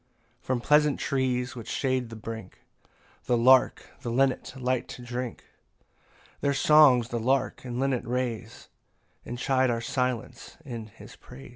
8 From pleasant trees which shade the brink The lark and linnet light to drink; Their songs the lark and linnet raise; And chide our silence in his praise.